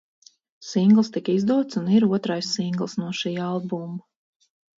Singls tika izdots un ir otrais singls no šī albuma.